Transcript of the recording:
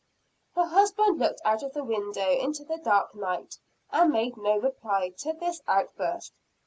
Her husband looked out of the window into the dark night, and made no reply to this outburst.